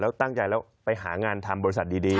แล้วตั้งใจแล้วไปหางานทำบริษัทดี